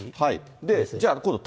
じゃあ、今度、縦。